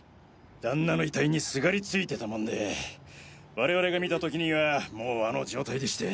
旦那の遺体にすがりついてたもんで我々が見た時にはもうあの状態でして。